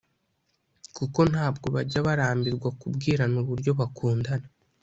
kuko ntabwo bajya barambirwa kubwirana uburyo bakundana